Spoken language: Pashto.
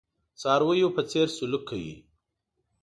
څارویو په څېر سلوک کوي.